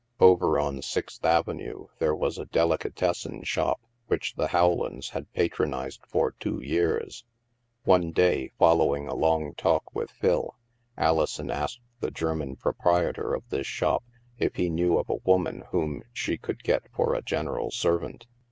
Over on Sixth Avenue there was a delicatessen shop which the Howlands had patronized for two years. One day, following a long talk with Phil, Alison asked the German proprietor of this shop if he knew of a woman whom she could get for a general servant.